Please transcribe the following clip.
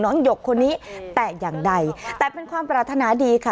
หยกคนนี้แต่อย่างใดแต่เป็นความปรารถนาดีค่ะ